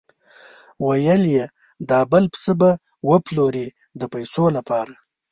ویل یې دا بل پسه به وپلوري د پیسو لپاره.